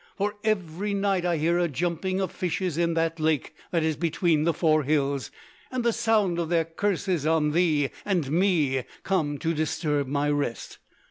For every night I hear a jumping of fishes in the lake that is between the four hills, and the sound of their curses on thee and me comes to disturb my rest.